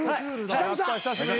久々。